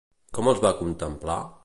Com els va contemplar?